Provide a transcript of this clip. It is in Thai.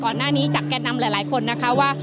ก่อนหน้านี้จากแก่นำหลายคนนะคะว่า